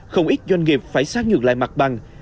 không ít doanh nghiệp phải sát nhược lại mặt bằng